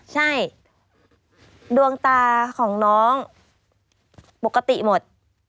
ใช่ดวงตาของน้องปกติหมด